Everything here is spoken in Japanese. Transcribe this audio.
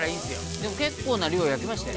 「でも結構な量焼きましたよ」